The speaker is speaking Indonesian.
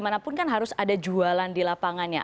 manapun kan harus ada jualan di lapangannya